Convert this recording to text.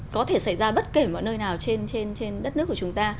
có thể xảy ra bất kể mọi nơi nào trên đất nước của chúng ta